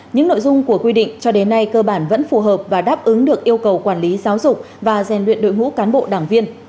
những nội dung của quy định cho đến nay cơ bản vẫn phù hợp và đáp ứng được yêu cầu quản lý giáo dục và rèn luyện đội ngũ cán bộ đảng viên